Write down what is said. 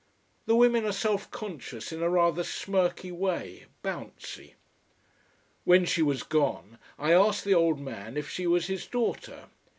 The women are self conscious in a rather smirky way, bouncy. When she was gone I asked the old man if she was his daughter.